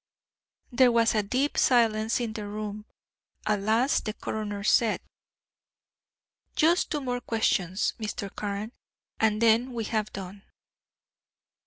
There was a deep silence in the room. At last the coroner said: "Just two more questions, Mr. Carne, and then we have done.